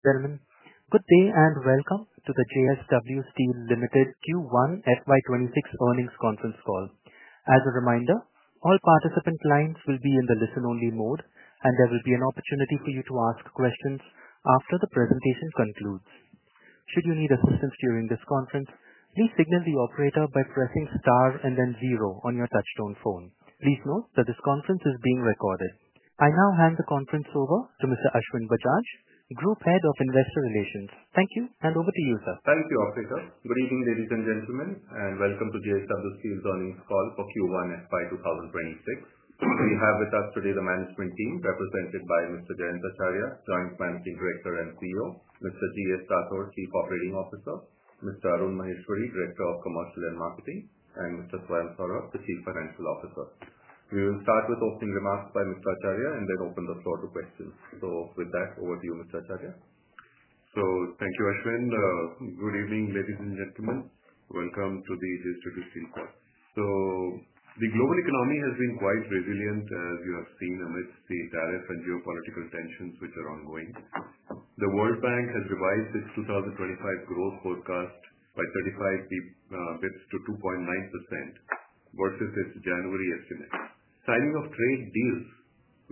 Good day and welcome to the JSW Steel Limited Q1 FY 2026 Earnings Conference Call. As a reminder, all participant lines will be in the listen-only mode, and there will be an opportunity for you to ask questions after the presentation concludes. Should you need assistance during this conference, please signal the operator by pressing star and then zero on your touchstone phone. Please note that this conference is being recorded. I now hand the conference over to Mr. Ashwin Bajaj, Group Head of Investor Relations. Thank you, and over to you, sir. Thank you, Officer. Good evening, ladies and gentlemen, and welcome to JSW Steel's Earnings Call for Q1 FY 2026. We have with us today the management team represented by Mr. Jayant Acharya, Joint Managing Director and CEO; Mr. G.S. Rathore, Chief Operating Officer; Mr. Arun Maheshwari, Director of Commercial and Marketing; and Mr. Swayam Saurabh, the Chief Financial Officer. We will start with opening remarks by Mr. Acharya and then open the floor to questions. With that, over to you, Mr. Acharya. Thank you, Ashwin. Good evening, ladies and gentlemen. Welcome to the JSW Steel call. The global economy has been quite resilient, as you have seen, amidst the tariff and geopolitical tensions which are ongoing. The World Bank has revised its 2025 growth forecast by 35 bps to 2.9% versus its January estimate. Signing of trade deals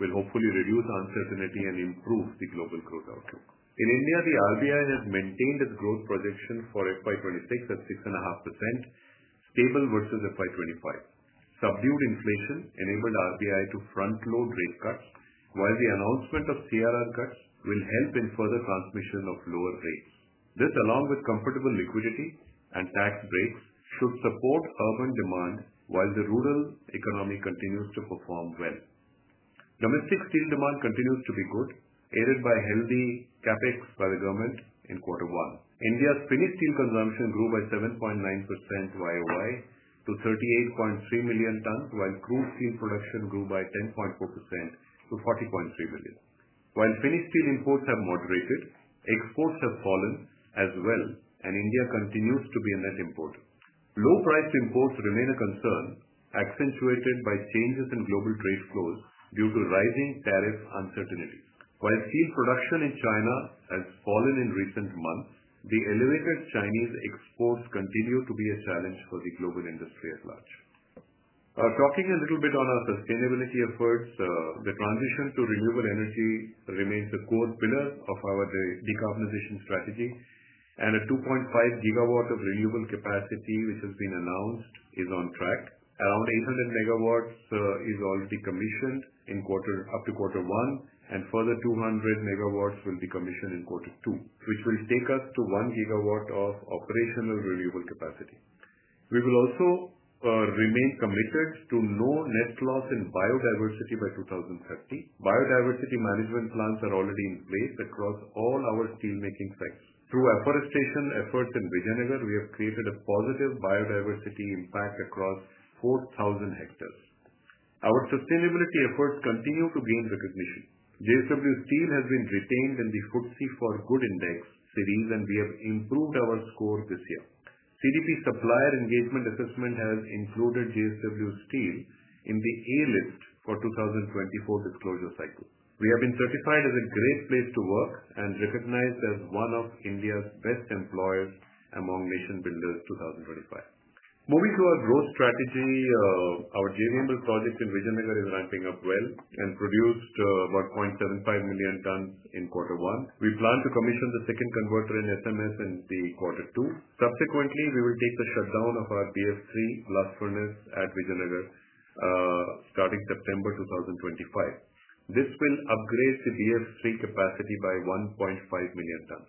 will hopefully reduce uncertainty and improve the global growth outlook. In India, the RBI has maintained its growth projection for FY 2026 at 6.5%, stable versus FY 2025. Subdued inflation enabled RBI to front-load rate cuts, while the announcement of CRR cuts will help in further transmission of lower rates. This, along with comfortable liquidity and tax breaks, should support urban demand while the rural economy continues to perform well. Domestic steel demand continues to be good, aided by healthy CapEx by the government in quarter one. India's finished steel consumption grew by 7.9% YoY to 38.3 million tons, while crude steel production grew by 10.4% to 40.3 million. While finished steel imports have moderated, exports have fallen as well, and India continues to be a net importer. Low-priced imports remain a concern, accentuated by changes in global trade flows due to rising tariff uncertainties. While steel production in China has fallen in recent months, the elevated Chinese exports continue to be a challenge for the global industry at large. Talking a little bit on our sustainability efforts, the transition to renewable energy remains a core pillar of our decarbonization strategy, and a 2.5 GW of renewable capacity which has been announced is on track. Around 800 MW is already commissioned up to quarter one, and further 200 MW will be commissioned in quarter two, which will take us to 1 GW of operational renewable capacity. We will also remain committed to no net loss in biodiversity by 2030. Biodiversity management plans are already in place across all our steelmaking sites. Through afforestation efforts in Vijayanagar, we have created a positive biodiversity impact across 4,000 hectares. Our sustainability efforts continue to gain recognition. JSW Steel has been retained in the FTSE4Good Index series, and we have improved our score this year. CDP Supplier Engagement Assessment has included JSW Steel in the A-list for the 2024 disclosure cycle. We have been certified as a great place to work and recognized as one of India's Best Employers among Nation Builders 2025. Moving to our growth strategy, our JVML project in Vijayanagar is ramping up well and produced about 0.75 million tons in quarter one. We plan to commission the second converter in SMS in quarter two. Subsequently, we will take the shutdown of our BF-3 blast furnace at Vijayanagar starting September 2025. This will upgrade the BF-3 capacity by 1.5 million tons.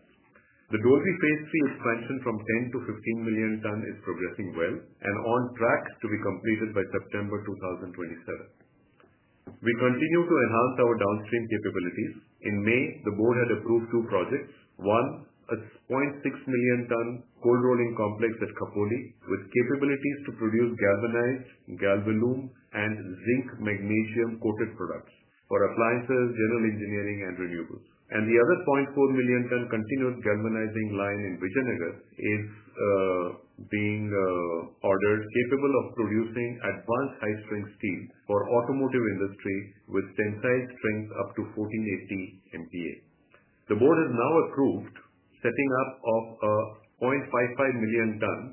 The Dolvi Phase III expansion from 10 million tons- 15 million tons is progressing well and on track to be completed by September 2027. We continue to enhance our downstream capabilities. In May, the board had approved two projects: one, a 0.6 million tons cold rolling complex at Khopoli, with capabilities to produce galvanized, galvalume, and zinc magnesium coated products for appliances, general engineering, and renewables. The other 0.4 million tons continuous galvanizing line in Vijayanagar is being ordered, capable of producing advanced high-strength steel for the automotive industry with tensile strength up to 1480 MPa. The board has now approved the setting up of a 0.55 million tons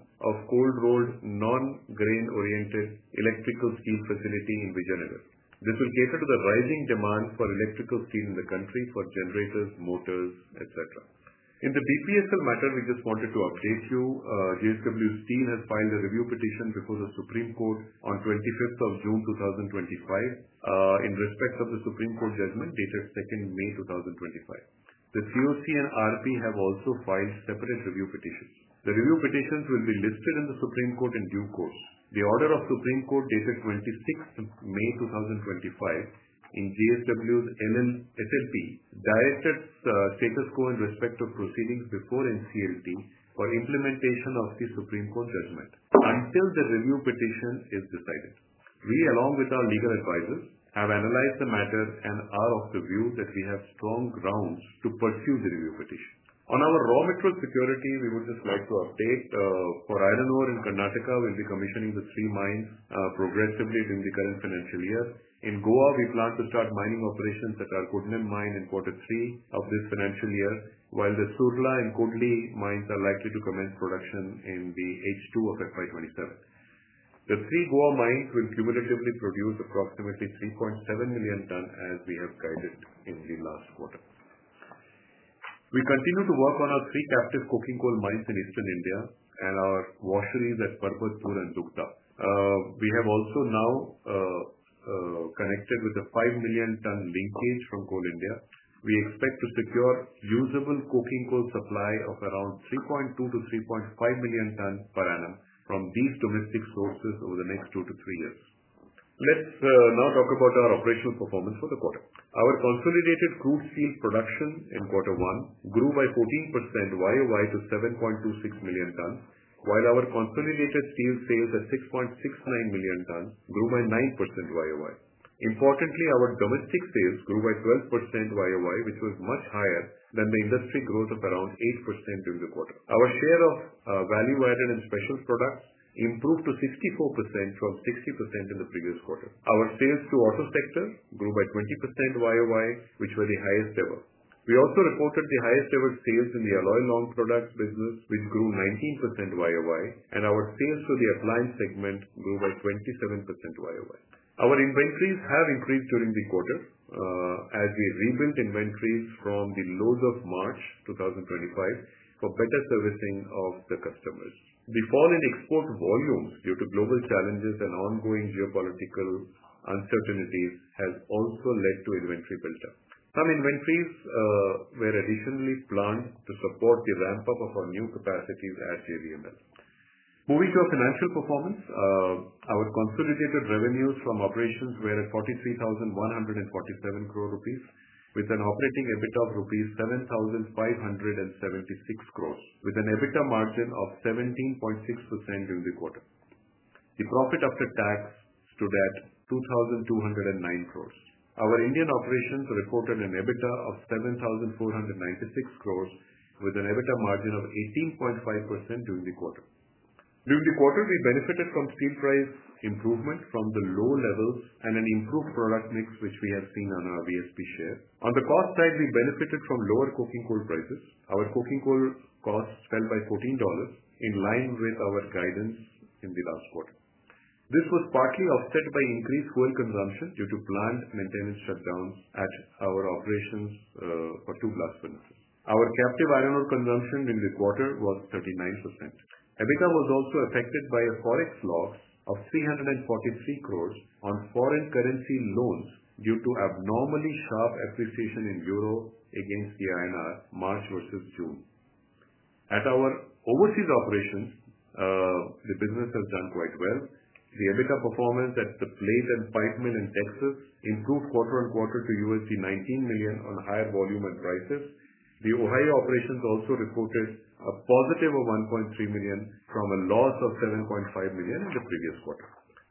cold-rolled non-grain-oriented electrical steel facility in Vijayanagar. This will cater to the rising demand for electrical steel in the country for generators, motors, etc. In the BPSL matter, we just wanted to update you. JSW Steel has filed a review petition before the Supreme Court on 25th June 2025 in respect of the Supreme Court judgment dated 2 May 2025. The CoC and RP have also filed separate review petitions. The review petitions will be listed in the Supreme Court in due course. The order of the Supreme Court dated 26th May 2025 in JSW's SLP directed status quo in respect of proceedings before NCLT for implementation of the Supreme Court judgment until the review petition is decided. We, along with our legal advisors, have analyzed the matter and are of the view that we have strong grounds to pursue the review petition. On our raw material security, we would just like to update. For iron ore in Karnataka, we'll be commissioning the three mines progressively during the current financial year. In Goa, we plan to start mining operations at our Cudnem mine in quarter three of this financial year, while the Surla and Codli mines are likely to commence production in the H2 of FY 2027. The three Goa mines will cumulatively produce approximately 3.7 million tons as we have guided in the last quarter. We continue to work on our three captive coking coal mines in eastern India and our washeries at Parbatpur and Dugda. We have also now connected with a 5 million ton linkage from Coal India. We expect to secure usable coking coal supply of around 3.2 million tons-3.5 million tons per annum from these domestic sources over the next two to three years. Let's now talk about our operational performance for the quarter. Our consolidated crude steel production in quarter one grew by 14% YoY to 7.26 million tons, while our consolidated steel sales at 6.69 million tons grew by 9% YoY. Importantly, our domestic sales grew by 12% YoY, which was much higher than the industry growth of around 8% during the quarter. Our share of value-added and special products improved to 64% from 60% in the previous quarter. Our sales to the auto sector grew by 20% YoY, which were the highest ever. We also reported the highest-ever sales in the alloy-long products business, which grew 19% YoY, and our sales to the appliance segment grew by 27% YoY. Our inventories have increased during the quarter as we rebuilt inventories from the lows of March 2025 for better servicing of the customers. The fall in export volumes due to global challenges and ongoing geopolitical uncertainties has also led to inventory buildup. Some inventories were additionally planned to support the ramp-up of our new capacities at JVWL. Moving to our financial performance, our consolidated revenues from operations were at 43,147 crore rupees, with an operating EBITDA of rupees 7,576 crore, with an EBITDA margin of 17.6% during the quarter. The profit after tax stood at 2,209 crore. Our Indian operations reported an EBITDA of 7,496 crore, with an EBITDA margin of 18.5% during the quarter. During the quarter, we benefited from steel price improvement from the low levels and an improved product mix, which we have seen on our VSP share. On the cost side, we benefited from lower coking coal prices. Our coking coal cost fell by $14, in line with our guidance in the last quarter. This was partly offset by increased coal consumption due to planned maintenance shutdowns at our operations for two blast furnaces. Our captive iron ore consumption during the quarter was 39%. EBITDA was also affected by a forex loss of 343 crore on foreign currency loans due to abnormally sharp appreciation in Euro against the INR March versus June. At our overseas operations. The business has done quite well. The EBITDA performance at the plate and pipe mill in Texas improved quarter on quarter to $19 million on higher volume and prices. The Ohio operations also reported a positive of $1.3 million from a loss of $7.5 million in the previous quarter.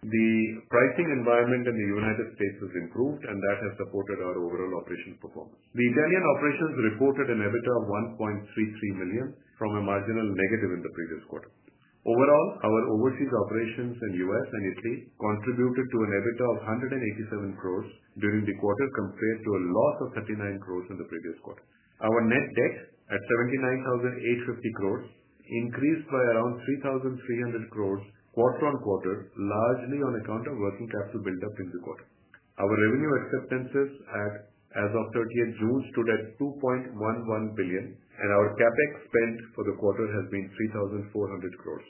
The pricing environment in the United States has improved, and that has supported our overall operational performance. The Italian operations reported an EBITDA of 1.33 million from a marginal negative in the previous quarter. Overall, our overseas operations in the U.S. and Italy contributed to an EBITDA of 187 crore during the quarter compared to a loss of 39 crore in the previous quarter. Our net debt at 79,850 crore increased by around 3,300 crore quarter on quarter, largely on account of working capital buildup in the quarter. Our revenue acceptances as of 30th June stood at 2.11 billion, and our CapEx spent for the quarter has been 3,400 crore.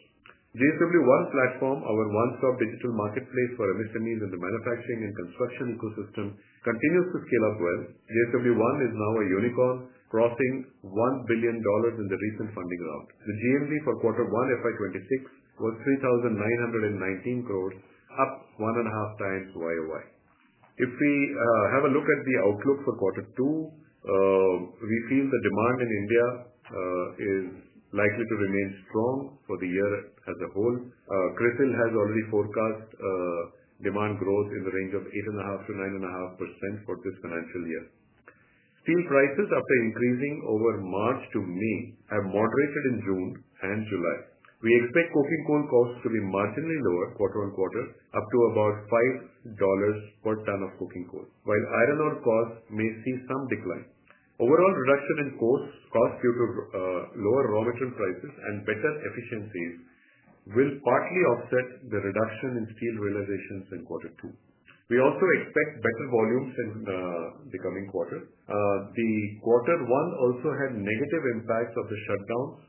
JSW One platform, our one-stop digital marketplace for MSMEs in the manufacturing and construction ecosystem, continues to scale up well. JSW One is now a unicorn, crossing $1 billion in the recent funding round. The GMV for quarter one FY 2026 was 3,919 crore, up 1.5 times YoY. If we have a look at the outlook for Q2. We feel the demand in India. Is likely to remain strong for the year as a whole. CRISIL has already forecast. Demand growth in the range of 8.5%-9.5% for this financial year. Steel prices, after increasing over March to May, have moderated in June and July. We expect coking coal costs to be marginally lower quarter on quarter, up to about $5 per ton of coking coal, while iron ore costs may see some decline. Overall reduction in costs due to lower raw material prices and better efficiencies will partly offset the reduction in steel realizations in quarter two. We also expect better volumes in the coming quarter. The quarter one also had negative impacts of the shutdowns,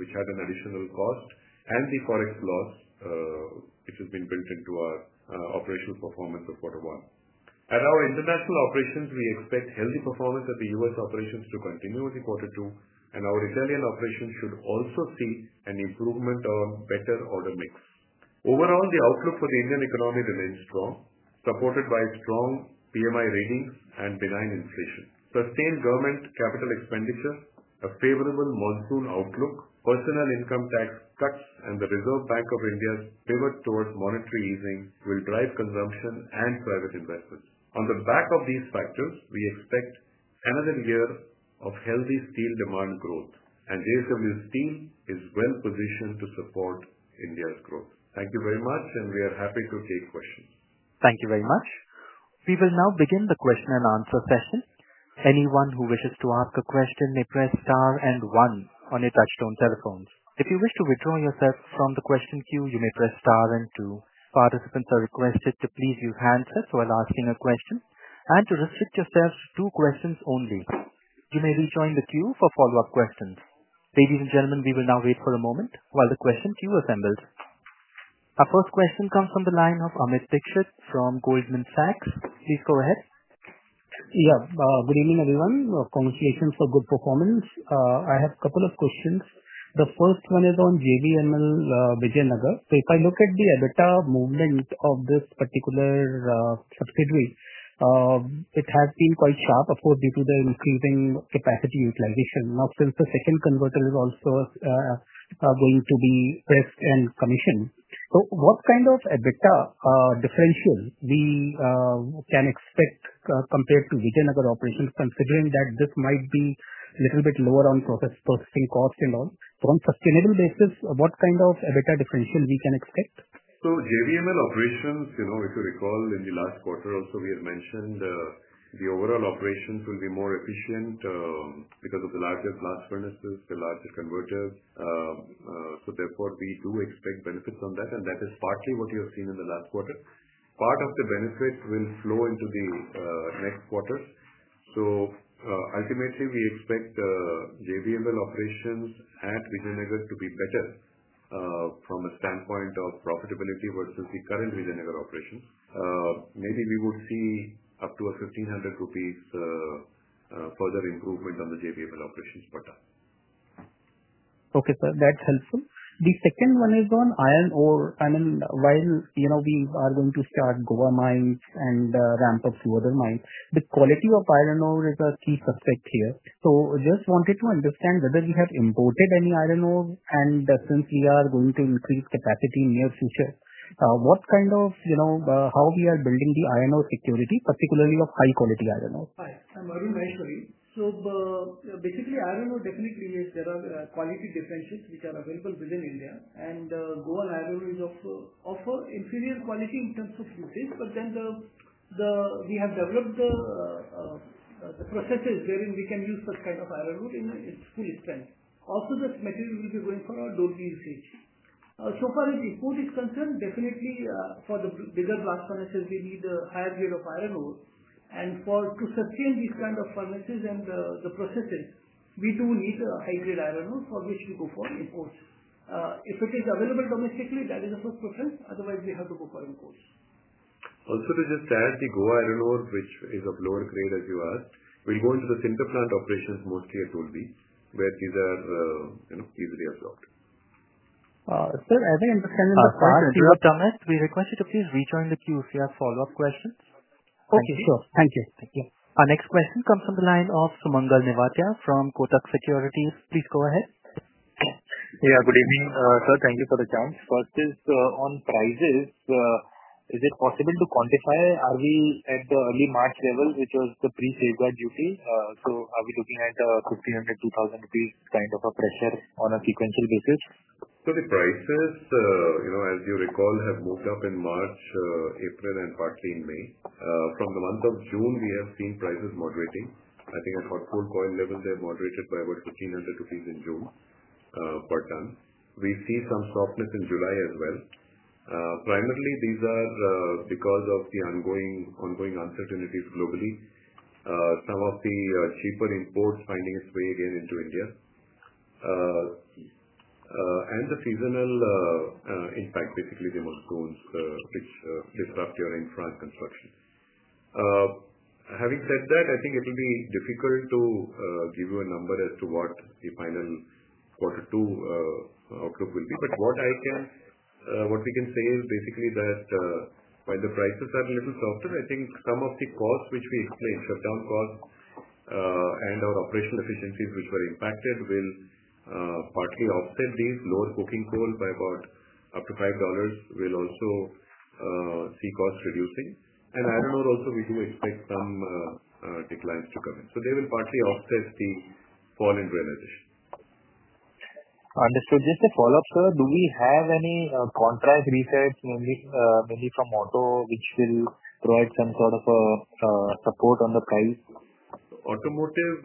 which had an additional cost, and the forex loss, which has been built into our operational performance of quarter one. At our international operations, we expect healthy performance at the U.S. operations to continue in quarter two, and our Italian operations should also see an improvement on better order mix. Overall, the outlook for the Indian economy remains strong, supported by strong PMI ratings and benign inflation. Sustained government capital expenditure, a favorable monsoon outlook, personal income tax cuts, and the Reserve Bank of India's pivot towards monetary easing will drive consumption and private investments. On the back of these factors, we expect another year of healthy steel demand growth, and JSW Steel is well positioned to support India's growth. Thank you very much, and we are happy to take questions. Thank you very much. We will now begin the question and answer session. Anyone who wishes to ask a question may press star and one on your touchstone telephones. If you wish to withdraw yourself from the question queue, you may press star and two. Participants are requested to please use handsets while asking a question and to restrict yourselves to two questions only. You may rejoin the queue for follow-up questions. Ladies and gentlemen, we will now wait for a moment while the question queue assembles. Our first question comes from the line of Amit Dixit from Goldman Sachs. Please go ahead. Yeah. Good evening, everyone. Congratulations for good performance. I have a couple of questions. The first one is on JVML Vijayanagar. So if I look at the EBITDA movement of this particular subsidiary, it has been quite sharp, of course, due to the increasing capacity utilization. Now, since the second converter is also going to be pressed and commissioned, what kind of EBITDA differential can we expect compared to Vijayanagar operations, considering that this might be a little bit lower on processing cost and all? On a sustainable basis, what kind of EBITDA differential can we expect? So JVML operations, you know, if you recall, in the last quarter, also we had mentioned the overall operations will be more efficient because of the larger blast furnaces, the larger converters. Therefore, we do expect benefits on that, and that is partly what you have seen in the last quarter. Part of the benefit will flow into the next quarters. Ultimately, we expect JVML operations at Vijayanagar to be better from a standpoint of profitability versus the current Vijayanagar operations. Maybe we would see up to a 1,500 rupees further improvement on the JVML operations quarter. Okay, sir, that's helpful. The second one is on iron ore. I mean, while we are going to start Goa mines and ramp up two other mines, the quality of iron ore is a key suspect here. So just wanted to understand whether we have imported any iron ore, and since we are going to increase capacity in the near future, what kind of, you know, how we are building the iron ore security, particularly of high-quality iron ore? Hi, I'm Arun Maheshwari. So basically, iron ore definitely is there are quality differentials which are available within India, and Goa iron ore is offering inferior quality in terms of usage, but then we have developed the processes wherein we can use such kind of iron ore in its full strength. Also, this material will be going for our Dolvi usage. So far, as import is concerned, definitely for the bigger blast furnaces, we need a higher grade of iron ore. And to sustain these kind of furnaces and the processes, we do need a high-grade iron ore for which we go for imports. If it is available domestical.ly, that is of preference. Otherwise, we have to go for imports. Also, to just add, the Goa iron ore, which is of lower grade, as you asked, will go into the sinter plant operations mostly at Dolvi, where these are, you know, easily absorbed. Sir, as I understand in the past. You have done it. We request you to please rejoin the queue if you have follow-up questions. Okay, sure. Thank you. Thank you. Our next question comes from the line of Sumangal Nevatia from Kotak Securities. Please go ahead. Yeah, good evening, sir. Thank you for the chance. First is on prices. Is it possible to quantify? Are we at the early March level, which was the pre-safeguard duty? So are we looking at 1,500, 2,000 rupees kind of a pressure on a sequential basis? So the prices, you know, as you recall, have moved up in March, April, and partly in May. From the month of June, we have seen prices moderating. I think at hot-rolled coil level, they moderated by about 1,500 rupees in June per ton. We see some softness in July as well. Primarily, these are because of the ongoing uncertainties globally. Some of the cheaper imports finding its way again into India. And the seasonal impact, basically, the monsoons which disrupt your infra and construction. Having said that, I think it will be difficult to give you a number as to what the final quarter two outlook will be. But what I can, what we can say is basically that while the prices are a little softer, I think some of the costs which we explained, shutdown costs and our operational efficiencies which were impacted will partly offset these lower coking coal by about up to $5. We'll also see costs reducing. And iron ore also, we do expect some declines to come in. So they will partly offset the fall in realization. Understood. Just a follow-up, sir. Do we have any contract resets, mainly from auto, which will provide some sort of support on the price? Automotive,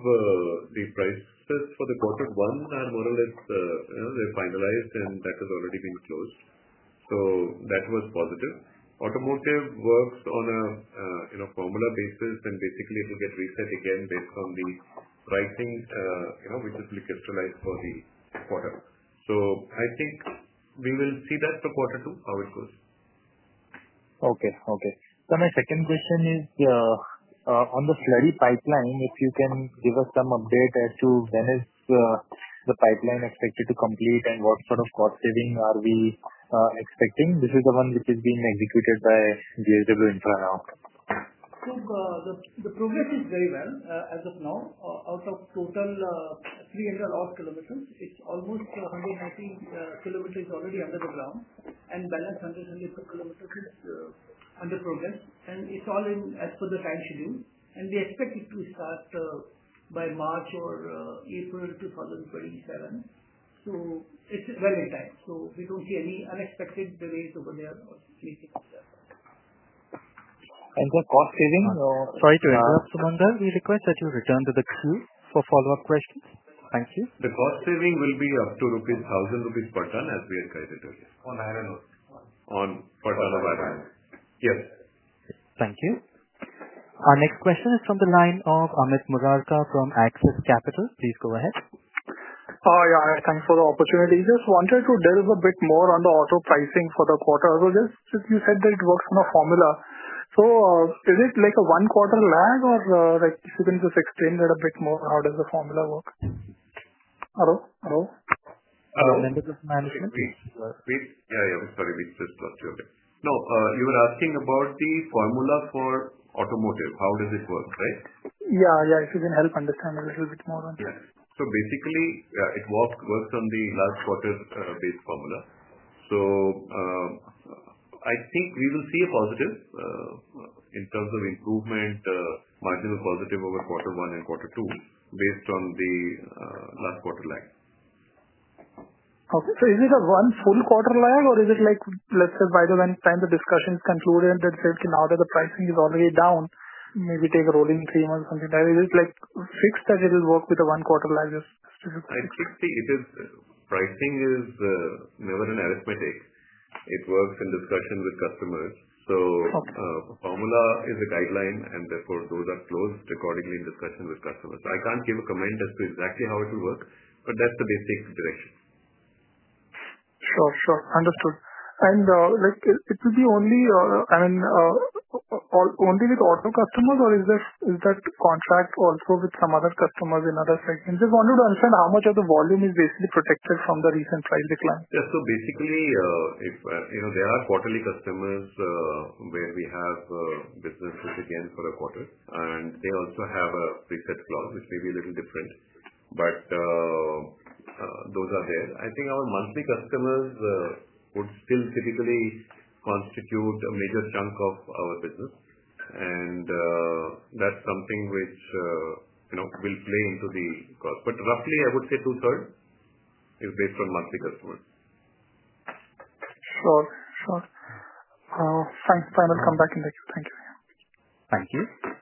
the prices for the quarter one are more or less, you know, they're finalized, and that has already been closed. So that was positive. Automotive works on a, you know, formula basis, and basically, it will get reset again based on the pricing, you know, which is really crystallized for the quarter. So I think we will see that for quarter two, how it goes. Okay, okay. So my second question is on the slurry pipeline, if you can give us some update as to when is the pipeline expected to complete and what sort of cost saving are we expecting? This is the one which is being executed by JSW Infra now. So the progress is very well as of now. Out of total 300 odd km, it's almost 190 km already under the ground, and balance 110 km is under progress. It's all in as per the time schedule. We expect it to start by March or April 2027. So it's well in time. So we don't see any unexpected delays over there or anything like that. The cost saving. Sorry to interrupt, Sumangal, we request that you return to the queue for follow-up questions. Thank you. The cost saving will be up to 1,000 rupees per ton, a we had guided earlier, On iron ore? On per ton of iron ore. Yes. Thank you. Our next question is from the line of Amit Murarka from Axis Capital. Please go ahead. Yeah, thanks for the opportunity. Just wanted to delve a bit more on the auto pricing for the quarter. So just since you said that it works on a formula, so is it like a one quarter lag or like if you can just explain that a bit more, how does the formula work? Hello? Hello? Hello? Members of management? Yeah, yeah. Sorry, we just lost you. Okay. No, you were asking about the formula for automotive. How does it work, right? Yeah, yeah. If you can help understand a little bit more on that. Yeah. So basically, it works on the last quarter-based formula. So I think we will see a positive in terms of improvement. Marginal positive over quarter one and quarter two based on the last quarter lag. Okay. Sure, sure. Understood. Like it will be only, I mean. Only with auto customers, or is that contract also with some other customers in other sectors? Just wanted to understand how much of the volume is basically protected from the recent price decline? Yeah. Basically, if, you know, there are quarterly customers where we have businesses again for a quarter, and they also have a preset floor, which may be a little different, but. Those are there. I think our monthly customers would still typically constitute a major chunk of our business. That's something which. You know, will play into the cost. Roughly, I would say 2/3 is based on monthly customers. Sure, sure. Thanks. I will come back in the queue. Thank you. Thank you.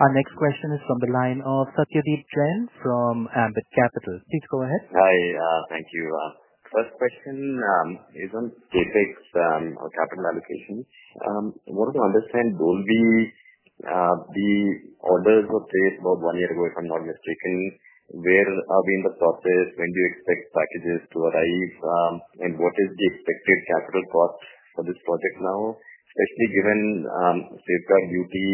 Our next question is from the line of Satyadeep Jain from Ambit Capital. Please go ahead. Hi. Thank you. First question is on CapEx or capital allocations. I wanted to understand, Dolvi. The orders were placed about one year ago, if I'm not mistaken. Where are we in the process? When do you expect packages to arrive? What is the expected capital cost for this project now, especially given. Safeguard duty?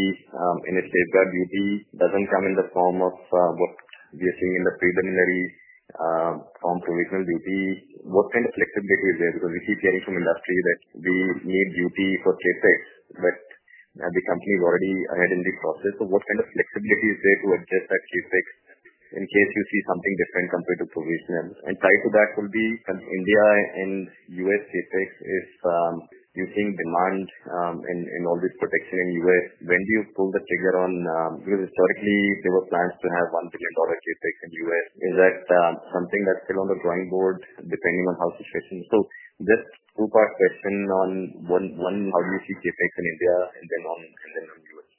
If safeguard duty doesn't come in the form of what we are seeing in the preliminary. Form provisional duty, what kind of flexibility is there? Because we keep hearing from industry that we need duty for CapEx, but the company is already ahead in this process. What kind of flexibility is there to adjust that CapEx in case you see something different compared to provisional? Tied to that will be India and U.S. CapEx. If you think demand. All this protection in the U.S., when do you pull the trigger on? Because historically, there were plans to have $1 billion CapEx in the U.S. Is that something that's still on the drawing board, depending on how the situation is? Just two-part question on one, how do you see CapEx in India and then on U.S.?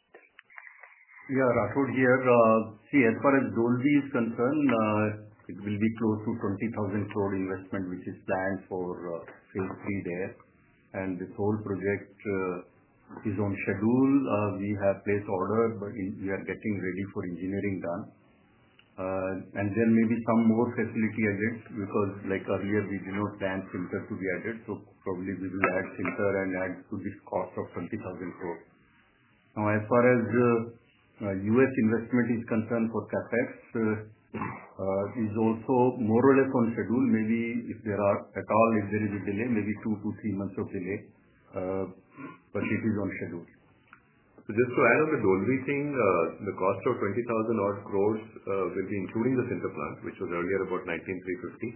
Yeah, Rathore here. See, as far as Dolvi is concerned. It will be close to 20,000 crore investment, which is planned for phase III there. This whole project. Is on schedule. We have placed order, but we are getting ready for engineering done. There may be some more facility added because, like earlier, we did not plan sinter to be added. Probably we will add sinter and add to this cost of 20,000 crore. Now, as far as. U.S. investment is concerned for CapEx. Is also more or less on schedule. Maybe if there are at all, if there is a delay, maybe two to three months of delay. It is on schedule. Just to add on the Dolvi thing, the cost of 20,000 crores will be including the sinter plant, which was earlier about 19,350.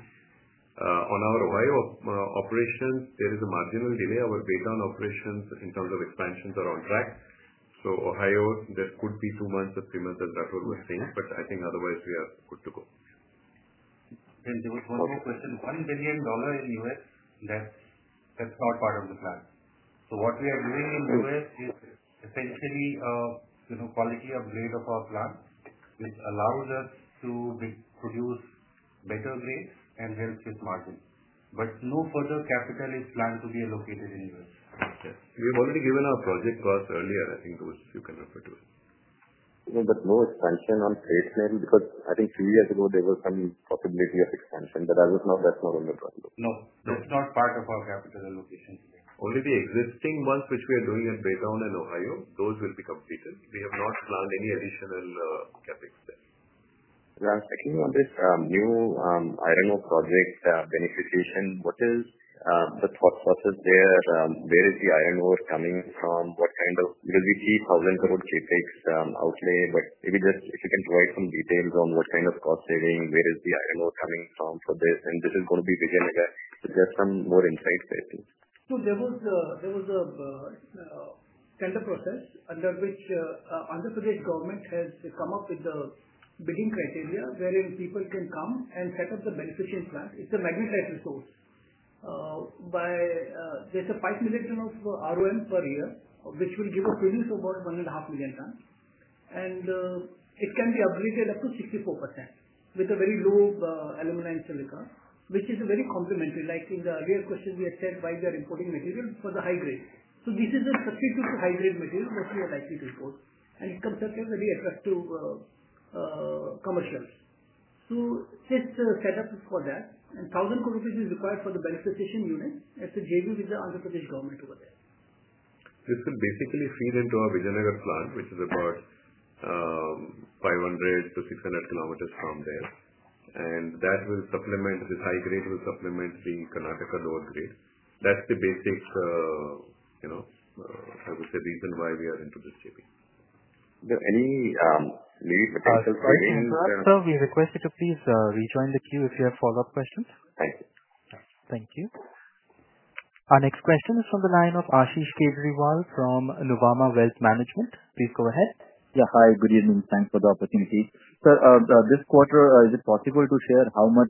On our Ohio operations, there is a marginal delay. Our Baytown operations, in terms of expansions, are on track. So Ohio, there could be two months or three months, as Rathore was saying, but I think otherwise we are good to go. There was one more question. $1 billion in U.S., that's not part of the plan. So what we are doing in the U.S. is essentially, you know, quality upgrade of our plant, which allows us to produce better grades and helps with margin. But no further capital is planned to be allocated in the U.S. Yes. We have already given our project cost earlier. I think those you can refer to. But no expansion on plates maybe because I think two years ago, there was some possibility of expansion. But as of now, that's not on the drawing board. No, that's not part of our capital allocation today. Only the existing ones which we are doing at Baytown and Ohio, those will be completed. We have not planned any additional CapEx there. Rathore, secondly on this new iron ore project beneficiation, what is the thought process there? Where is the iron ore coming from? What kind of, because we see 1,000 crore CapEx outlay, but maybe just if you can provide some details on what kind of cost saving, where is the iron ore coming from for this? This is going to be Vijayanagar. Just some more insight, please. So there was a tender process under which the Andhra Pradesh government has come up with the bidding criteria wherein people can come and set up the beneficiation plant. It's a magnetite resource. There's a 5 million ton of ROM per year, which will give a produce of about 1.5 million tons. It can be upgraded up to 64% with a very low alumina and silica, which is very complementary. Like in the earlier question, we had said why we are importing material for the high grade. So this is a substitute to high grade material that we are likely to import. It comes up as a very attractive commercial. So this setup is for that. 1,000 crore rupees is required for the beneficiation unit. It's a JV with the Andhra Pradesh government over there. This will basically feed into our Vijayanagar plant, which is about 500 km-600 km from there. That will supplement this high grade will supplement the Karnataka lower grade. That's the basic, you know, I would say, reason why we are into this JV. Is there any maybe potential savings? Sir, we request you to please rejoin the queue if you have follow-up questions. Thank you. Thank you. Our next question is from the line of Ashish Kejriwal from Nuvama Wealth Management. Please go ahead. Yeah, hi. Good evening. Thanks for the opportunity. Sir, this quarter, is it possible to share how much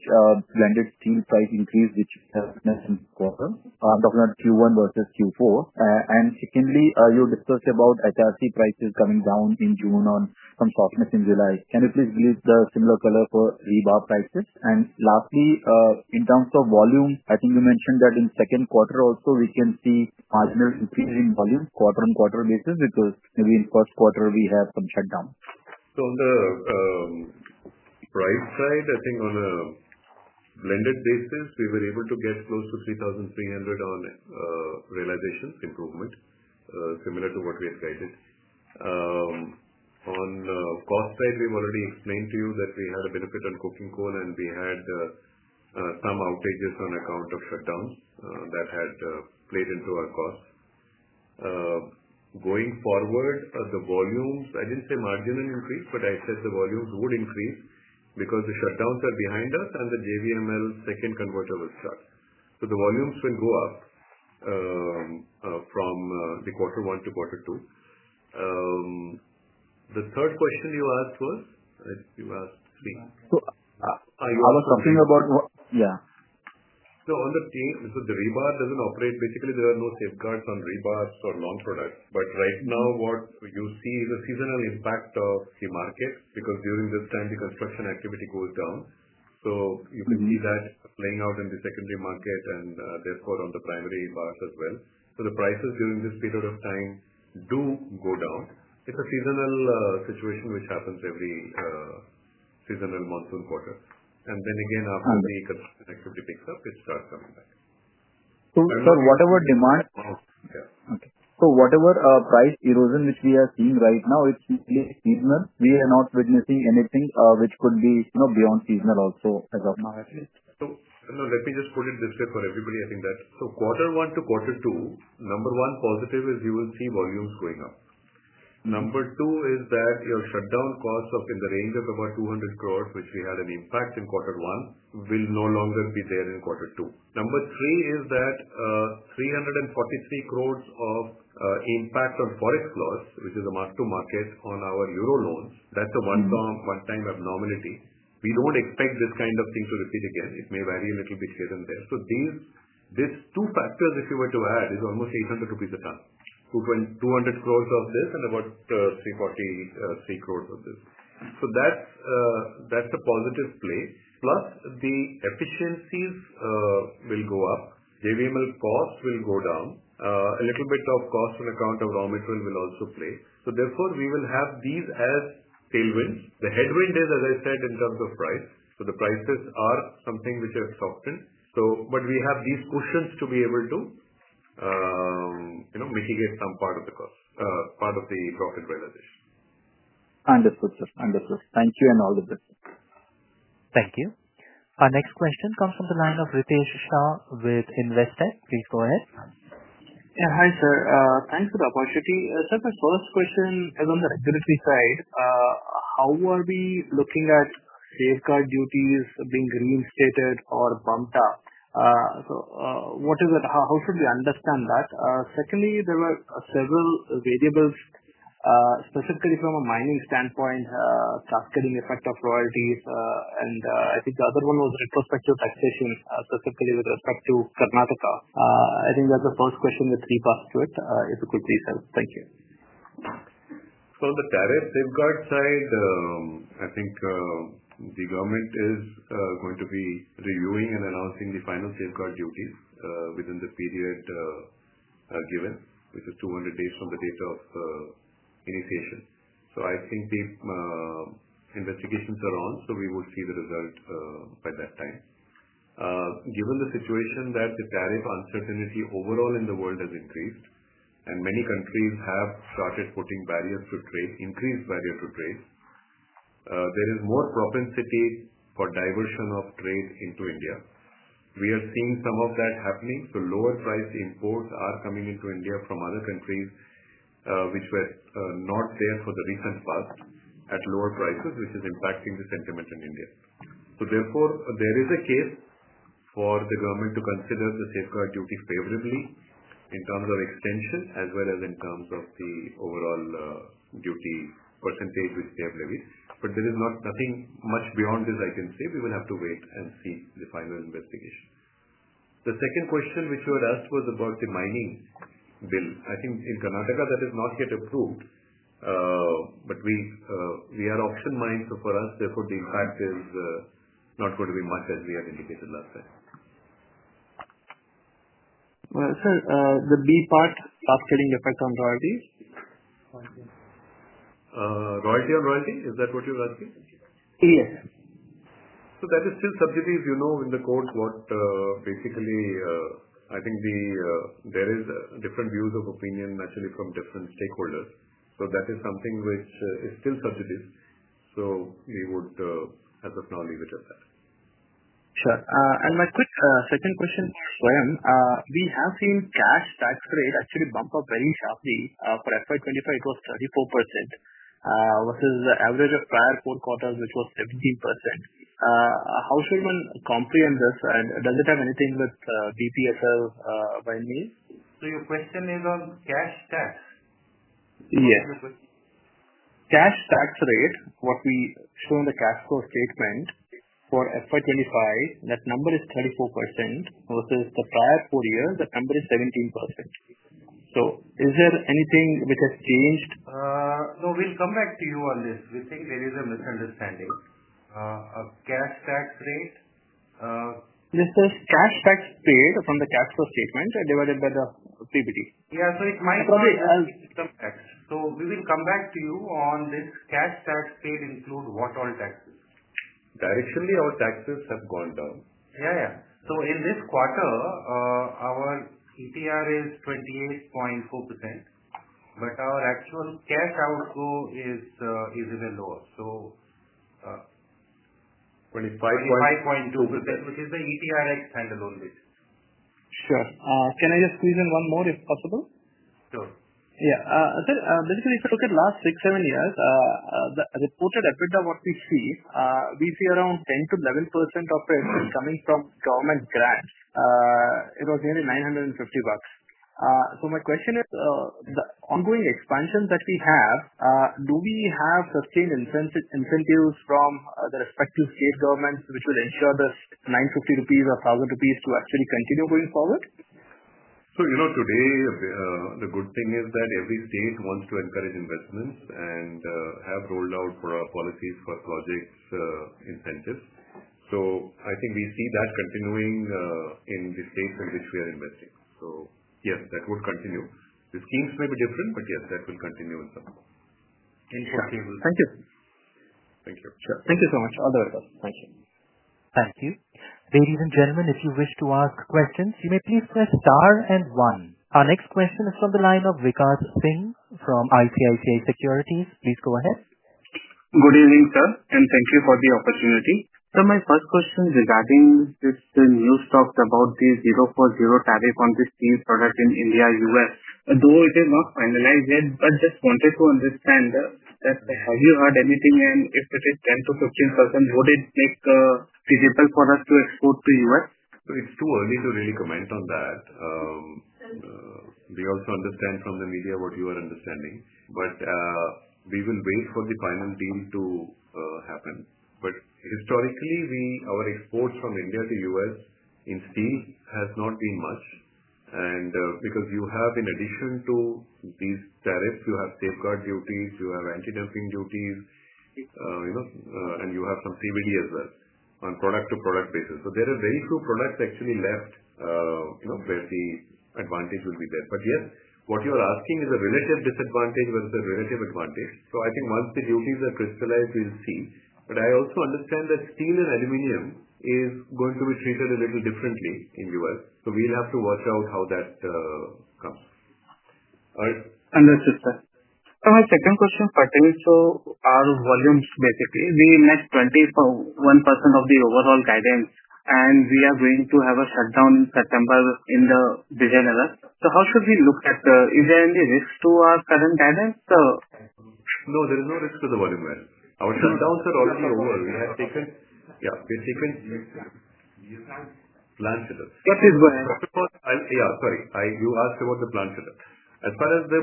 blended steel price increase which helped us in this quarter? I'm talking about Q1 versus Q4. Secondly, you discussed about HRC prices coming down in June on some softness in July. Can you please give the similar color for rebar prices? Lastly, in terms of volume, I think you mentioned that in second quarter also, we can see marginal increase in volume quarter-on-quarter basis because maybe in first quarter, we have some shutdown. On the right side, I think on a blended basis, we were able to get close to 3,300 on realizations, improvement similar to what we had guided. On cost side, we've already explained to you that we had a benefit on coking coal, and we had some outages on account of shutdowns that had played into our costs. Going forward, the volumes, I didn't say marginal increase, but I said the volumes would increase because the shutdowns are behind us and the JVML second converter will start. So the volumes will go up from the quarter one to quarter two. The third question you asked was, you asked three. I was asking about. Yeah. So on the team, so the rebar doesn't operate. Basically, there are no safeguards on rebars or long products. Right now, what you see is a seasonal impact of the market because during this time, the construction activity goes down. So you can see that playing out in the secondary market and therefore on the primary bars as well. So the prices during this period of time do go down. It's a seasonal situation which happens every seasonal monsoon quarter. Then again, after the construction activity picks up, it starts coming back. So whatever demand. Yeah. Okay. So whatever price erosion which we are seeing right now, it's really seasonal. We are not witnessing anything which could be, you know, beyond seasonal also as of now at least. So no, let me just put it this way for everybody. I think that so quarter one to quarter two, number one positive is you will see volumes going up. Number two is that your shutdown costs in the range of about 200 crore, which we had an impact in quarter one, will no longer be there in quarter two. Number three is that 343 crore of impact on forex loss, which is a mark to market on our euro loans. That's a one-time abnormality. We don't expect this kind of thing to repeat again. It may vary a little bit here and there. So these two factors, if you were to add, is almost 800 rupees per ton. 200 crore of this and about 343 crore of this. So that's a positive play. Plus, the efficiencies will go up. JVML cost will go down. A little bit of cost on account of raw material will also play. So therefore, we will have these as tailwinds. The headwind is, as I said, in terms of price. So the prices are something which have softened. But we have these cushions to be able to, you know, mitigate some part of the cost, part of the profit realization. Understood, sir. Understood. Thank you and all the best. Thank you. Our next question comes from the line of Ritesh Shah with Investec. Please go ahead. Yeah. Hi, sir. Thanks for the opportunity. Sir, my first question is on the regulatory side. How are we looking at safeguard duties being reinstated or bumped up? What is it? How should we understand that? Secondly, there were several variables. Specifically from a mining standpoint. Cascading effect of royalties. And I think the other one was retrospective taxation, specifically with respect to Karnataka. I think that's the first question with three parts to it, if you could please help. Thank you. On the tariff safeguard side, I think the government is going to be reviewing and announcing the final safeguard duties within the period. Given, which is 200 days from the date of initiation. I think the investigations are on, so we will see the result by that time. Given the situation that the tariff uncertainty overall in the world has increased, and many countries have started putting barriers to trade, increased barrier to trade. There is more propensity for diversion of trade into India. We are seeing some of that happening. Lower priced imports are coming into India from other countries. Which were not there for the recent past at lower prices, which is impacting the sentiment in India. Therefore, there is a case for the government to consider the safeguard duty favorably in terms of extension as well as in terms of the overall duty percentage which they have levied. There is not nothing much beyond this I can say. We will have to wait and see the final investigation. The second question which you had asked was about the mining bill. I think in Karnataka, that is not yet approved. We are option mine. For us, therefore, the impact is not going to be much as we had indicated last time. Sir, the B part, cascading effect on royalties? Royalty on royalty? Is that what you're asking? Yes, sir. That is still subjective. You know, in the court, what basically, I think there are different views of opinion actually from different stakeholders. That is something which is still subjective. We would, as of now, leave it at that. Sure. And my quick second question for Swayam. We have seen cash tax rate actually bump up very sharply. For FY 2025, it was 34%. Versus the average of prior four quarters, which was 17%. How should one comprehend this? And does it have anything with BPSL by name? Your question is on cash tax? Yes. Cash tax rate, what we show in the cash flow statement for FY 2025, that number is 34% versus the prior four years, that number is 17%. Is there anything which has changed? No, we'll come back to you on this. We think there is a misunderstanding. Cash tax rate. This is cash tax paid from the cash flow statement divided by the PBT. Yeah. It might. We will come back to you on this cash tax paid include what all taxes? Directionally, our taxes have gone down. Yeah, yeah. In this quarter. Our ETR is 28.4%. But our actual cash outgo is even lower. 25.2%, which is the ETR handle only. Sure. Can I just squeeze in one more if possible? Sure. Yeah. Sir, basically, if you look at last six, seven years, the reported EBITDA what we see, we see around 10%-11% of it is coming from government grants. It was nearly INR 950. My question is, the ongoing expansions that we have, do we have sustained incentives from the respective state governments which will ensure this 950 rupees or 1,000 rupees to actually continue going forward? You know, today, the good thing is that every state wants to encourage investments and have rolled out policies for projects incentives. I think we see that continuing in the states in which we are investing. Yes, that would continue. The schemes may be different, but yes, that will continue in some way. Thank you. Thank you. Sure. Thank you so much. All the very best. Thank you. Thank you. Ladies and gentlemen, if you wish to ask questions, you may please press star and one. Our next question is from the line of Vikash Singh from ICICI Securities. Please go ahead. Good evening, sir. And thank you for the opportunity. Sir, my first question regarding this news talk about the zero for zero tariff on the steel product in India, U.S. Though it is not finalized yet, but just wanted to understand that. Have you heard anything? And if it is 10%-15%, would it make feasible for us to export to U.S.? It's too early to really comment on that. We also understand from the media what you are understanding. But. We will wait for the final deal to happen. But historically, our exports from India to U.S. in steel has not been much. And because you have, in addition to. These tariffs, you have safeguard duties, you have anti-dumping duties. And you have some CVD as well on product-to-product basis. There are very few products actually left. Where the advantage will be there. But yes, what you are asking is a relative disadvantage versus a relative advantage. I think once the duties are crystallized, we'll see. But I also understand that steel and aluminum is going to be treated a little differently in U.S. We'll have to watch out how that. Comes. Understood, sir. Sir, my second question pertaining to our volumes, basically. We met 21% of the overall guidance, and we are going to have a shutdown in September in the Vijayanagar. So how should we look at the is there any risk to our current guidance? No, there is no risk to the volume there. Our shutdowns are already over. We have taken. Yeah, we've taken. Plan shutdown. That is why. Yeah, sorry. You asked about the plan shutdown. As far as the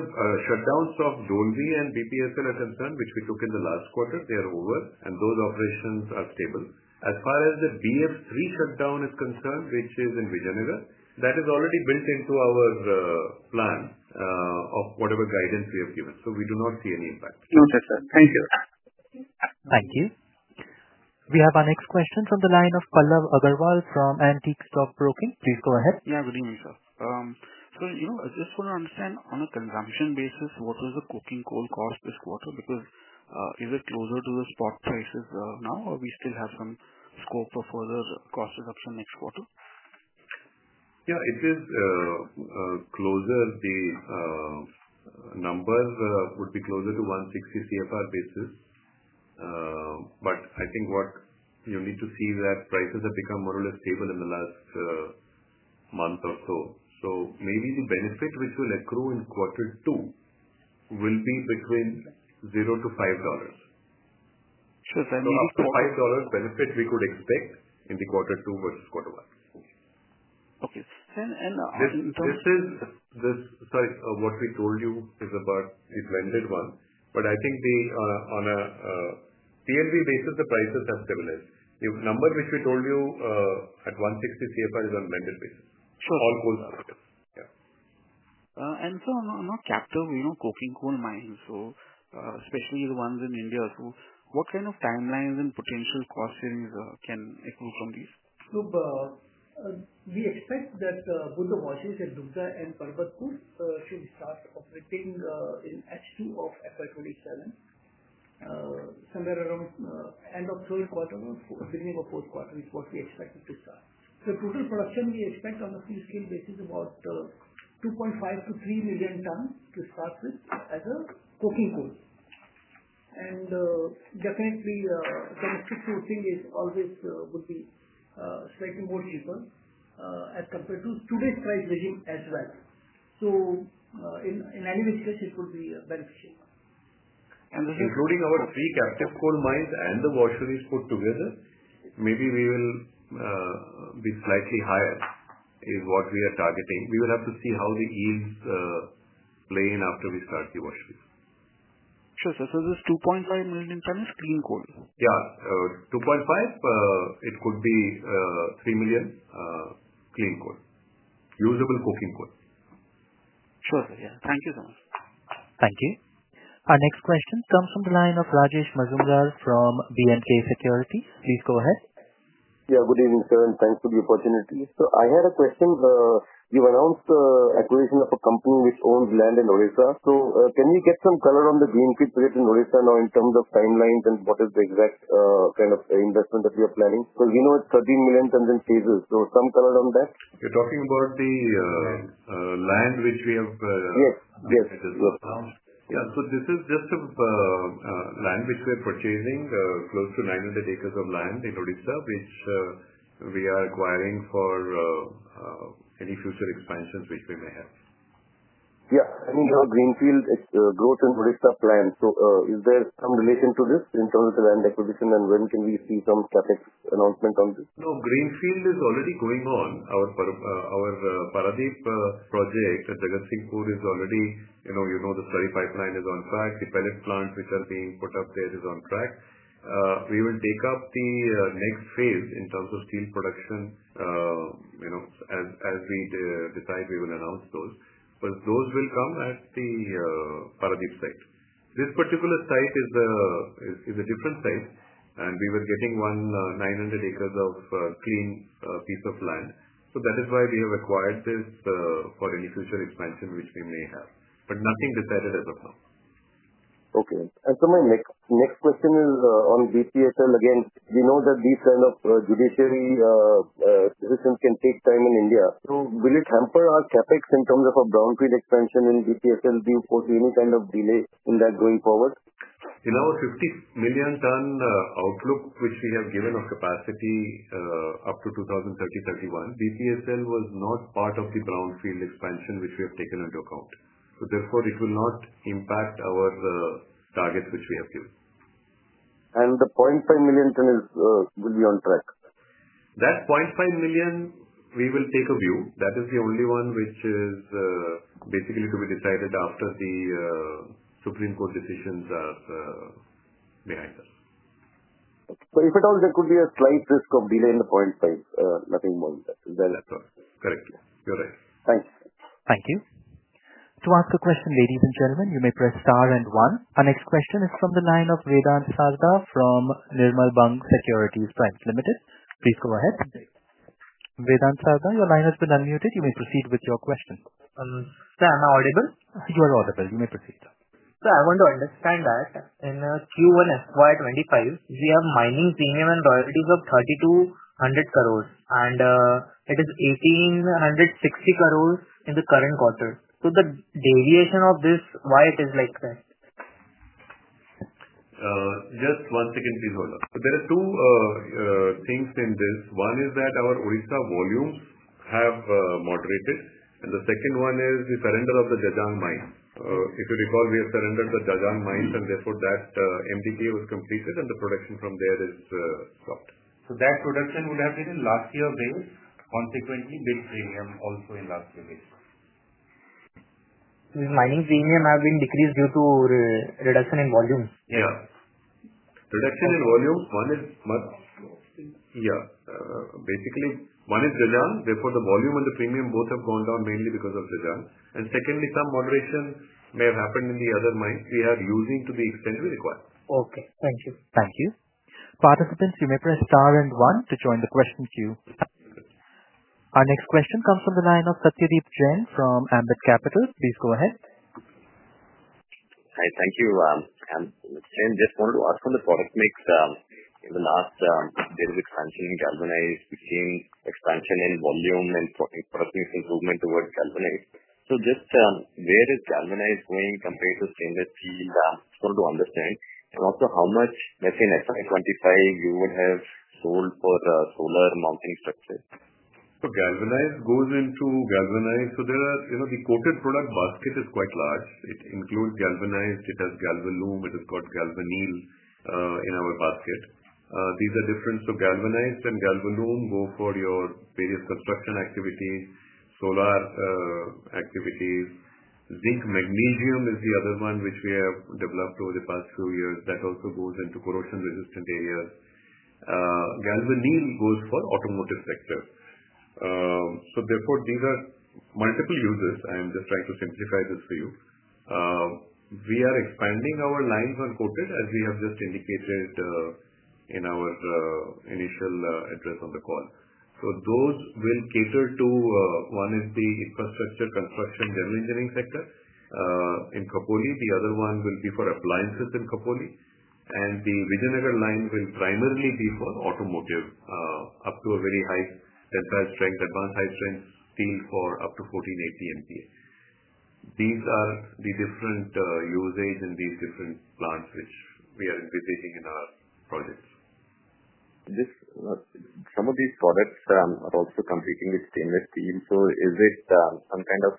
shutdowns of Dolvi and BPSL are concerned, which we took in the last quarter, they are over, and those operations are stable. As far as the BF-3 shutdown is concerned, which is in Vijayanagar, that is already built into our. Plan. Of whatever guidance we have given. We do not see any impact. Understood, sir. Thank you. Thank you. We have our next question from the line of Pallav Agarwal from Antique Stock Broking. Please go ahead. Yeah, good evening, sir. Sir, you know, I just want to understand on a consumption basis, what was the coking coal cost this quarter? Because is it closer to the spot prices now, or do we still have some scope for further cost reduction next quarter? Yeah, it is. Closer. The. Number would be closer to $160 CFR basis. But I think what you need to see is that prices have become more or less stable in the last. Month or so. Maybe the benefit which will accrue in quarter two will be between $0-$5. Sure. Maybe. About $5 benefit we could expect in the quarter two versus quarter one. Okay. And. This is. Sorry, what we told you is about the blended one. But I think on a. PLV basis, the prices have stabilized. The number which we told you at $160 CFR is on blended basis. All coals. Yeah. And sir, on our captive coking coal mines, so especially the ones in India, what kind of timelines and potential cost savings can accrue from these? We expect that both the washeries and Dugda and Parbatpur should start operating in H2 of FY 2027. Somewhere around end of third quarter or beginning of fourth quarter is what we expect it to start. The total production we expect on a full-scale basis is about. 2.5 million-3 million tons to start with as a coking coal. And definitely, domestic sourcing always would be slightly more cheaper as compared to today's price regime as well. In any which case, it would be beneficial. And this is including our three captive coal mines and the washeries put together, maybe we will. Be slightly higher is what we are targeting. We will have to see how the yields. Play in after we start the washeries. Sure, sir. This 2.5 million tons is clean coal? Yeah. 2.5, it could be 3 million. Clean coal. Usable coking coal. Sure, sir. Yeah. Thank you so much. Thank you. Our next question comes from the line of Rajesh Majumdar from B&K Securities. Please go ahead. Yeah. Good evening, sir, and thanks for the opportunity. I had a question. You announced the acquisition of a company which owns land in Odisha. So can we get some color on the greenfield project in Odisha now in terms of timelines and what is the exact kind of investment that we are planning? Because we know it's 13 million tons in phases. So some color on that? You're talking about the land which we have. Yes. Yes. Yeah. So this is just land which we are purchasing, close to 900 acres of land in Odisha, which we are acquiring for any future expansions which we may have. Yeah. I mean, your greenfield growth in Odisha plan. So is there some relation to this in terms of the land acquisition, and when can we see some CapEx announcement on this? No, greenfield is already going on. Our Paradip project at Jagatsinghpur is already, you know, the slurry pipeline is on track. The pellet plants which are being put up there is on track. We will take up the next phase in terms of steel production. As we decide we will announce those. But those will come at the Paradip site. This particular site is a different site, and we were getting one 900 acres of clean piece of land. So that is why we have acquired this for any future expansion which we may have. But nothing decided as of now. Okay. My next question is on BPSL. Again, we know that these kind of judiciary acquisitions can take time in India. So will it hamper our CapEx in terms of our brownfield expansion in BPSL? Do you foresee any kind of delay in that going forward? In our 50 million ton outlook which we have given of capacity up to 2030-2031, BPSL was not part of the brownfield expansion which we have taken into account. So therefore, it will not impact our targets which we have given. The 0.5 million ton will be on track? That 0.5 million, we will take a view. That is the only one which is basically to be decided after the Supreme Court decisions are behind us. So if at all, there could be a slight risk of delay in the 0.5, nothing more than that. That's all. Correct. You're right. Thanks. Thank you. To ask a question, ladies and gentlemen, you may press star and one. Our next question is from the line of Vedant Sarda from Nirmal Bang Securities Private Limited. Please go ahead. Vedant Sarda, your line has been unmuted. You may proceed with your question. Sir, am I audible? You are audible. You may proceed. Sir, I want to understand that in Q1 FY 2025, we have mining premium and royalties of 3,200 crores, and it is 1,860 crores in the current quarter. So the deviation of this, why it is like that? Just one second, please hold on. There are two things in this. One is that our Odisha volumes have moderated, and the second one is the surrender of the Jajang mines. If you recall, we have surrendered the Jajang mines, and therefore that MDPA was completed, and the production from there is stopped. So that production would have been in last year base, consequently built premium also in last year base. Mining premium have been decreased due to reduction in volumes? Yeah. Reduction in volumes, one is much. Yeah. Basically, one is Jajang. Therefore, the volume and the premium both have gone down mainly because of Jajang. And secondly, some moderation may have happened in the other mines we are using to the extent we require. Okay. Thank you. Thank you. Participants, you may press star and one to join the question queue. Our next question comes from the line of Satyadeep Jain from Ambit Capital. Please go ahead. Hi. Thank you. I'm [Jain]. Just wanted to ask on the product mix in the last bit of expansion in galvanized, we've seen expansion in volume and product mix improvement towards galvanized. So just where is galvanized going compared to stainless steel? I just wanted to understand. Also, how much in FY 2025 you would have sold for solar mounting structures? So galvanized goes into galvanized. So the coated product basket is quite large. It includes galvanized. It has galvalume. It has got galvanneal in our basket. These are different. So galvanized and galvalume go for your various construction activities, solar activities. Zinc-magnesium is the other one which we have developed over the past few years. That also goes into corrosion-resistant areas. Galvanneal goes for automotive sector. So therefore, these are multiple users. I am just trying to simplify this for you. We are expanding our lines on coated, as we have just indicated in our initial address on the call. So those will cater to one is the infrastructure construction general engineering sector in Khopoli. The other one will be for appliances in Khopoli. And the Vijayanagar line will primarily be for automotive up to a very high tensile strength, advanced high-strength steel for up to 1,480 MPa. These are the different usage in these different plants which we are envisaging in our projects. Some of these products are also competing with stainless steel. So is it some kind of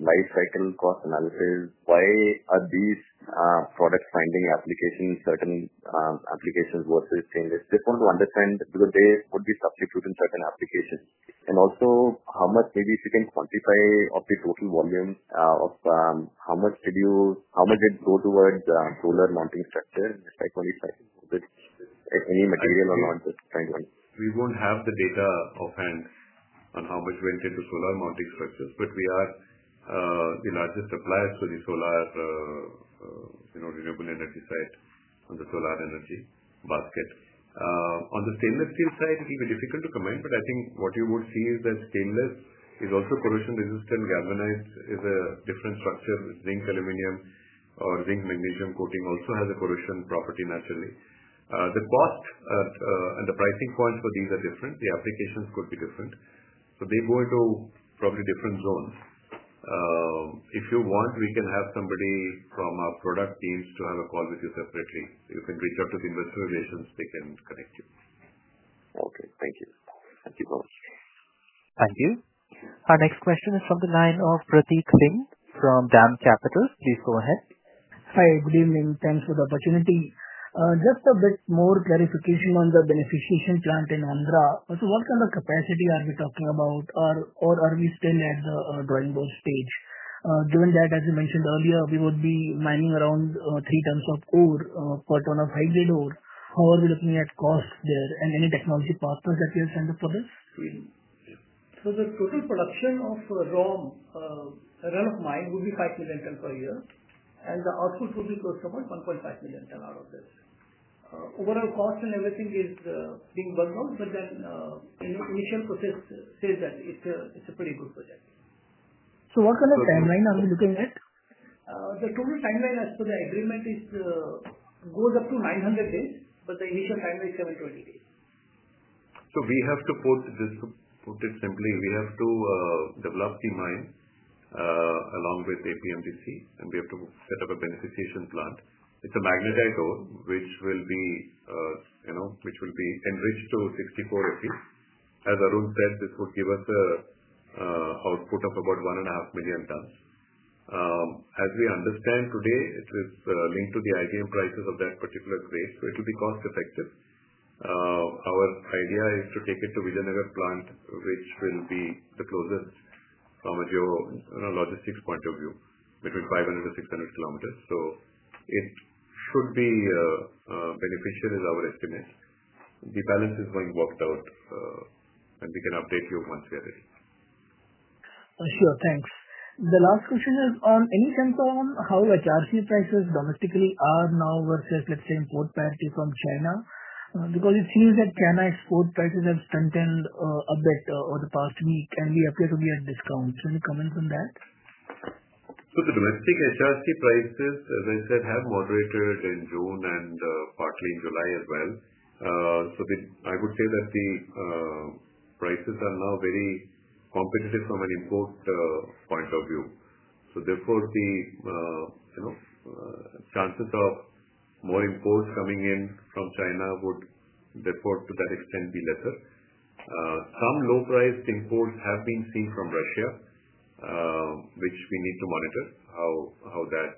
life cycle cost analysis? Why are these product finding applications, certain applications versus stainless? Just wanted to understand because they would be substituting certain applications. Also, how much maybe if you can quantify of the total volume of how much did you how much did go towards solar mounting structure in FY 2025? Any material or not, just trying to understand. We won't have the data offhand on how much went into solar mounting structures, but we are the largest supplier for the solar renewable energy side on the solar energy basket. On the stainless steel side, it will be difficult to comment, but I think what you would see is that stainless is also corrosion-resistant. Galvanized is a different structure. Zinc, aluminum, or zinc, magnesium coating also has a corrosion property naturally. The cost. And the pricing points for these are different. The applications could be different. So they go into probably different zones. If you want, we can have somebody from our product teams to have a call with you separately. You can reach out to the investor relations. They can connect you. Okay. Thank you. Thank you so much. Thank you. Our next question is from the line of Prateek Singh from DAM Capital. Please go ahead. Hi. Good evening. Thanks for the opportunity. Just a bit more clarification on the beneficiation plant in Andhra. So what kind of capacity are we talking about, or are we still at the drawing board stage? Given that, as you mentioned earlier, we would be mining around 3 tons of ore per ton of high-grade ore. How are we looking at cost there and any technology partners that we have signed up for this? So the total production of raw run-of-mine would be 5 million ton per year, and the output would be close to about 1.5 million ton out of this. Overall cost and everything is being burned out, but then the initial process says that it's a pretty good project. So what kind of timeline are we looking at? The total timeline as per the agreement goes up to 900 days, but the initial timeline is 720 days. So we have to put this to put it simply, we have to develop the mine along with APMDC, and we have to set up a beneficiation plant. It's a magnetite ore which will be enriched to 64 Fe. As Arun said, this would give us an output of about 1.5 million tons. As we understand today, it is linked to the IBM prices of that particular grade, so it will be cost-effective. Our idea is to take it to Vijayanagar plant, which will be the closest from a geo-logistics point of view, between 500 km-600 km. So it should be beneficial, is our estimate. The balance is going worked out. And we can update you once we are ready. Sure. Thanks. The last question is on any sense on how HRC prices domestically are now versus, let's say, import parity from China? Because it seems that China export prices have strengthened a bit over the past week, and we appear to be at discounts. Any comments on that? So the domestic HRC prices, as I said, have moderated in June and partly in July as well. So I would say that the prices are now very competitive from an import point of view. So therefore, the chances of more imports coming in from China would, therefore, to that extent, be lesser. Some low-priced imports have been seen from Russia, which we need to monitor how that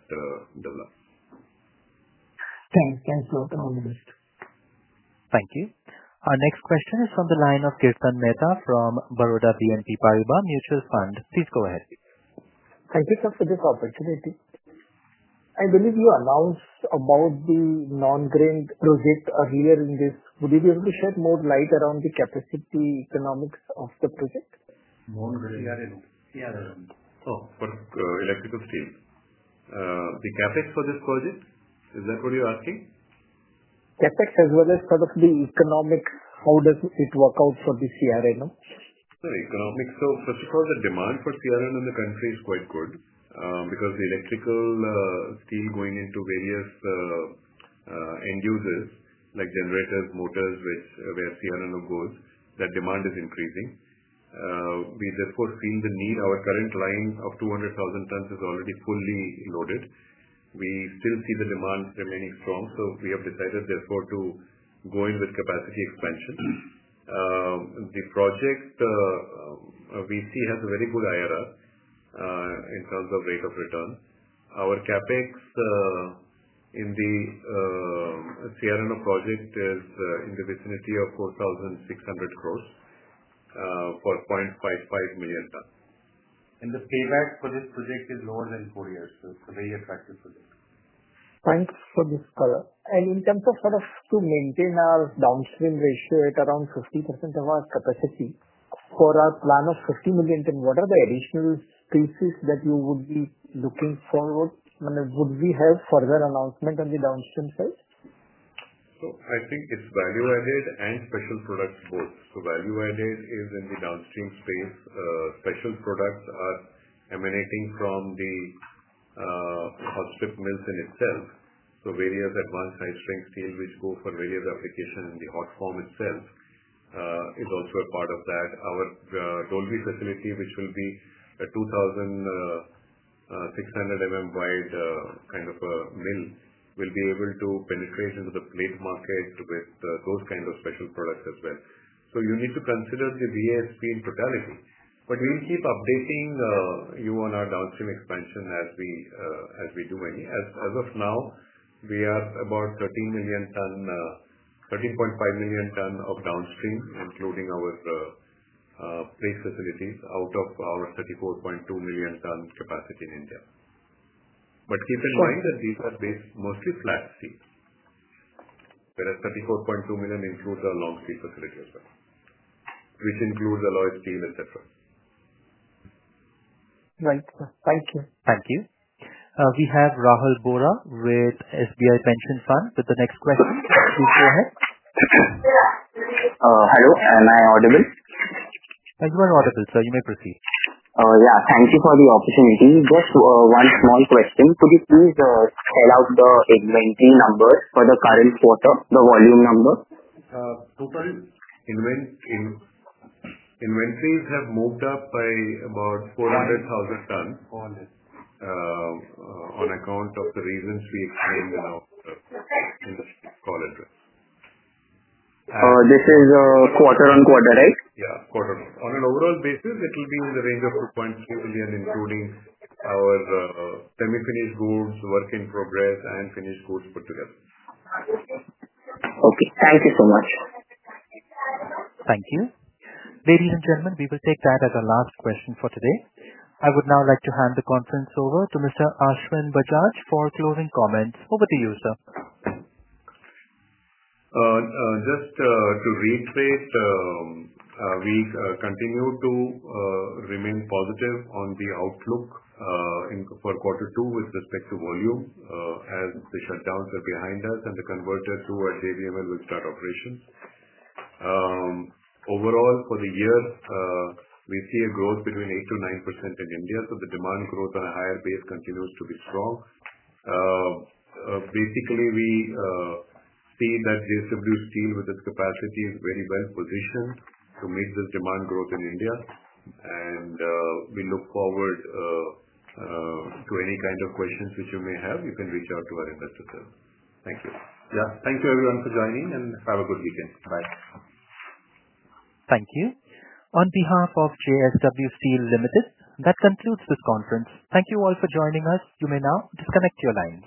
develops. Thanks. Thanks. Welcome on the list. Thank you. Our next question is from the line of Kirtan Mehta from Baroda BNP Paribas Mutual Fund. Please go ahead. Thank you, sir, for this opportunity. I believe you announced about the non-grade project earlier in this. Would you be able to shed more light around the capacity economics of the project? Non-grade? Yeah. Oh, for electrical steel. The CapEx for this project, is that what you're asking? CapEx as well as sort of the economics, how does it work out for the CRNO? Economics, so first of all, the demand for CRNO in the country is quite good because the electrical steel going into various end users like generators, motors, where CRNO goes, that demand is increasing. We therefore feel the need. Our current line of 200,000 tons is already fully loaded. We still see the demand remaining strong. We have decided therefore to go in with capacity expansion. The project we see has a very good IRR in terms of rate of return. Our CapEx in the CRNO project is in the vicinity of 4,600 crores for 0.55 million tons. And the payback for this project is lower than four years. It's a very attractive project. Thanks for this color. And in terms of sort of to maintain our downstream ratio at around 50% of our capacity for our plan of 50 million ton, what are the additional pieces that you would be looking forward? I mean, would we have further announcement on the downstream side? I think it's value-added and special products both. Value-added is in the downstream space. Special products are emanating from the hot strip mills in itself. Various advanced high-strength steel which go for various applications in the hot form itself is also a part of that. Our Dolvi facility, which will be a 2,600 mm kind of a mill, will be able to penetrate into the plate market with those kind of special products as well. You need to consider the VASP in totality. But we'll keep updating you on our downstream expansion as we do any. As of now, we are about 13.5 million ton of downstream, including our plate facilities, out of our 34.2 million ton capacity in India. But keep in mind that these are based mostly flat steel, whereas 34.2 million includes our long steel facility as well, which includes alloy steel, etc. Right. Thank you. Thank you. We have Rahil Bohra with SBI Pension Fund with the next question. Please go ahead. Hello. Am I audible? Yes, you are audible, sir. You may proceed. Yeah. Thank you for the opportunity. Just one small question. Could you please spell out the inventory number for the current quarter, the volume number? Total inventories have moved up by about 400,000 ton on account of the reasons we explained in our. Industry call address. This is quarter on quarter, right? Yeah. On an overall basis, it will be in the range of 2.3 million, including our semi-finished goods, work in progress, and finished goods put together. Okay. Thank you so much. Thank you. Ladies and gentlemen, we will take that as our last question for today. I would now like to hand the conference over to Mr. Ashwin Bajaj for closing comments. Over to you, sir. Just to reiterate. We continue to remain positive on the outlook for quarter two with respect to volume, as the shutdowns are behind us and the converter to JVML will start operations. Overall, for the year, we see a growth between 8%-9% in India. So the demand growth on a higher base continues to be strong. Basically, we see that JSW Steel, with its capacity, is very well positioned to meet this demand growth in India. We look forward to any kind of questions which you may have. You can reach out to our investors. Thank you. Yeah. Thank you, everyone, for joining, and have a good weekend. Bye. Thank you. On behalf of JSW Steel Limited, that concludes this conference. Thank you all for joining us. You may now disconnect your lines.